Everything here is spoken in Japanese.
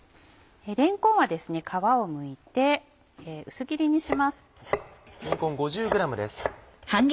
れんこんは皮をむいて薄切りにします。